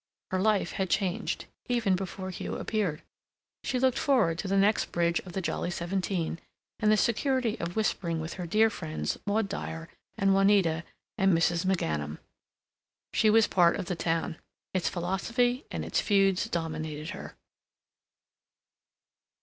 Her life had changed, even before Hugh appeared. She looked forward to the next bridge of the Jolly Seventeen, and the security of whispering with her dear friends Maud Dyer and Juanita and Mrs. McGanum. She was part of the town. Its philosophy and its feuds dominated her.